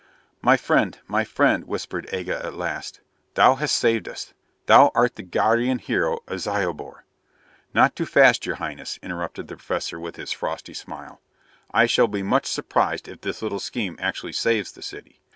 "My friend, my friend," whispered Aga at last, "thou hast saved us. Thou art the guardian hero of Zyobor " "Not too fast, Your Highness," interrupted the Professor with his frosty smile. "I shall be much surprised if this little scheme actually saves the city.